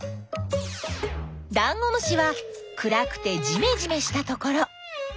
ダンゴムシは暗くてじめじめしたところ。